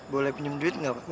boleh pinjam duit gak pak